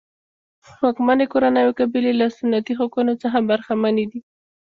واکمنې کورنۍ او قبیلې له سنتي حقونو څخه برخمنې دي.